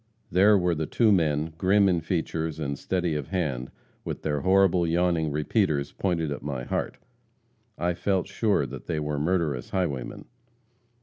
There were the two men, grim in features and steady of hand, with their horrible, yawning repeaters pointed at my heart. I felt sure they were murderous highwaymen.